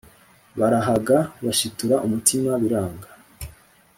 Barahaga bashitura umutima biranga